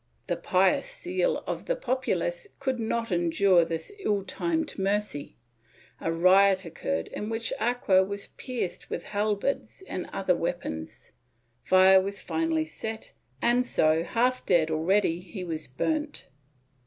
The pious zeal of the populace could not endure this ill timed mercy; a riot occurred in which Arquer was pierced with halberds and other weapons; fire was finally set and so, half dead already, he was burnt.'